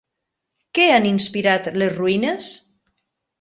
Què han inspirat les ruïnes?